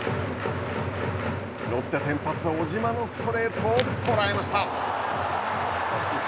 ロッテ先発、小島のストレートを捉えました。